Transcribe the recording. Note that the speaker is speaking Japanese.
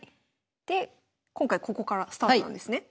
で今回ここからスタートなんですね。